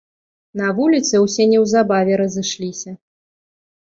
На вуліцы ўсе неўзабаве разышліся.